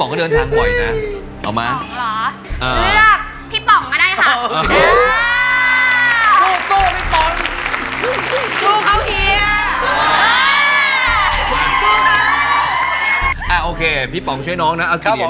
โอเคเชื่อพี่นะ